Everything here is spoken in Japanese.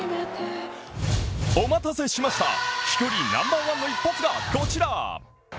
お待たせしました、飛距離ナンバーワンの一発がこちら。